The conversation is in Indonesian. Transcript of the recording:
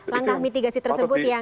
langkah mitigasi tersebut yang